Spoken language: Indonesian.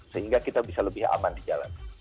sehingga kita bisa lebih aman di jalan